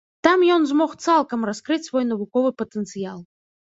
Там ён змог цалкам раскрыць свой навуковы патэнцыял.